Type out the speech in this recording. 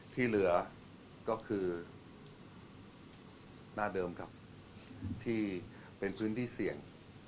ที่เหลือก็คือหน้าเดิมครับที่เป็นพื้นที่เสี่ยง